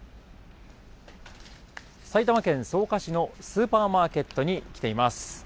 埼玉県草加市のスーパーマーケットに来ています。